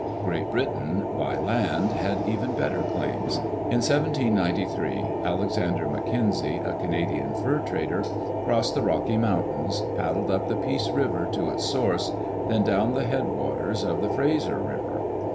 Great Britain, by land, had even better claims. In 1793, Alexander McKenzie, a Canadian fur trader, crossed the Rocky Mountains, paddled up the Peace River to its source, then down the head waters of the Frazer River.